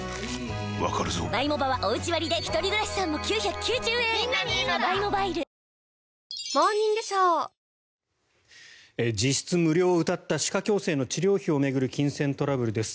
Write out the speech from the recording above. わかるぞ実質無料をうたった歯科矯正の治療費を巡る金銭トラブルです。